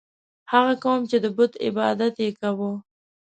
هغه قوم چې د بت عبادت یې کاوه.